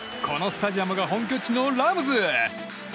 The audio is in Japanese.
このスタジアムが本拠地のラムズ。